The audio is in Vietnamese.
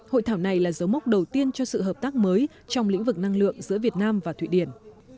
hội thảo này là dấu mốc đầu tiên cho sự hợp tác mới trong lĩnh vực năng lượng giữa việt nam và thụy điển